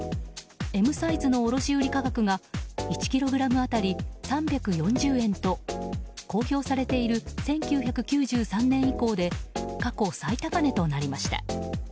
Ｍサイズの卸売価格が１ｋｇ当たり３４０円と公表されている１９９３年以降で過去最高値となりました。